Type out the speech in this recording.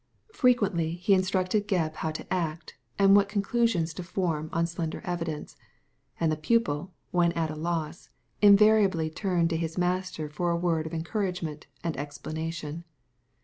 Frequently he instructed Gebb how to act, and what conclusions to form on slender evidence; and the pupil, when at a loss, invariably turned to his master for a word of en* couragement and explanation.